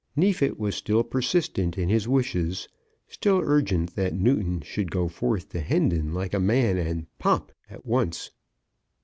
Neefit was still persistent in his wishes, still urgent that Newton should go forth to Hendon like a man, and "pop" at once.